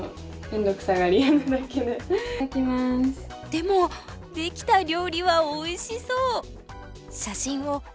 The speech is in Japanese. でもできた料理はおいしそう！